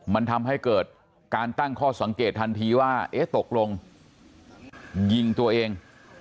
มันทำให้เกิดการตั้งข้อสังเกตทันทีว่าเอ๊ะตกลงยิงตัวเอง